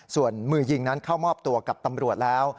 ส่วนมือยิงนั้นเข้ามอบตัวกับตำรวจแล้ว